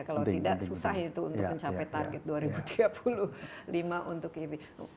kalau tidak susah itu untuk mencapai target dua ribu tiga puluh lima untuk ini